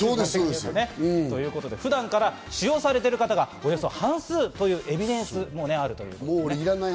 普段から使用されてる方がおよそ半数というエビデンスもあるということで。